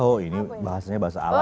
oh ini bahasanya bahasa alam